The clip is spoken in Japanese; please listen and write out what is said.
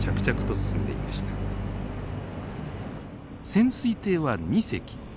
潜水艇は２隻。